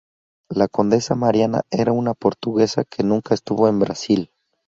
La condesa Mariana era una portuguesa que nunca estuvo en Brasil.